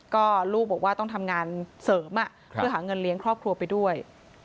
ก็ลูกบอกว่าต้องทำงานเสริมเพื่อหาเงินเลี้ยงครอบครัวไปด้วย